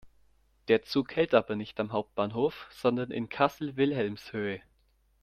Der Zug hält aber nicht am Hauptbahnhof, sondern in Kassel-Wilhelmshöhe.